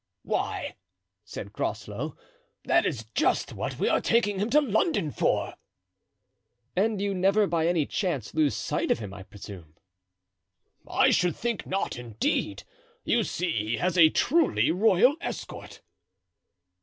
"Why," said Groslow, "that is just what we are taking him to London for." "And you never by any chance lose sight of him, I presume?" "I should think not, indeed. You see he has a truly royal escort."